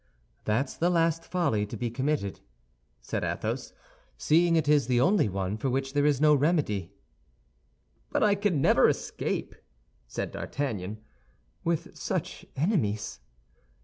"That's the last folly to be committed," said Athos, "seeing it is the only one for which there is no remedy." "But I can never escape," said D'Artagnan, "with such enemies.